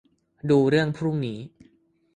ดูเรื่องพรุ่งนี้